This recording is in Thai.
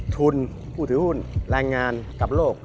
ทุนผู้ถือหุ้นแรงงานกับโลก